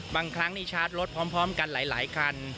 ครั้งนี้ชาร์จรถพร้อมกันหลายคัน